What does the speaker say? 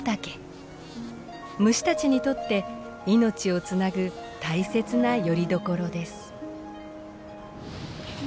虫たちにとって命をつなぐ大切なよりどころです。